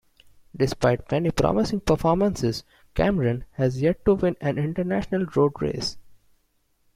Despite many promising performances, Cameron has yet to win an International road race.